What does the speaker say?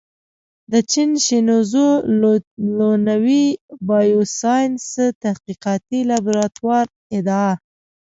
د چین شینزو لونوي بایوساینس تحقیقاتي لابراتوار ادعا